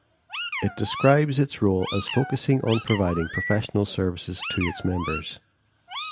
It describes its role as focusing on providing professional services to its members.